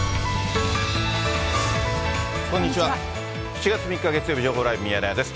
７月３日月曜日、情報ライブミヤネ屋です。